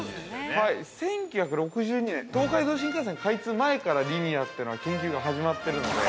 ◆１９６２年、東海道新幹線開通前からリニアってのは研究が始まってるので。